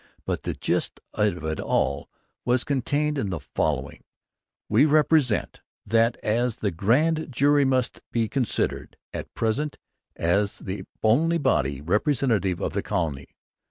But the gist of it all was contained in the following: 'We represent that as the Grand Jury must be considered at present as the only Body representative of the Colony